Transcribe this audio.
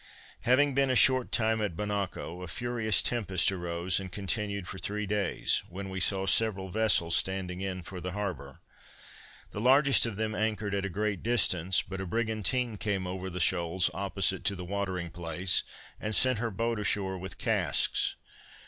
Having been a short time at Bonacco, a furious tempest arose, and continued for three days, when we saw several vessels standing in for the harbor. The largest of them anchored at a great distance, but a brigantine came over the shoals opposite to the watering place, and sent her boat ashore with casks.